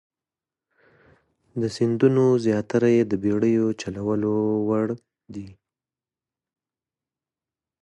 د سیندونو زیاتره یې د بیړیو چلولو وړ دي.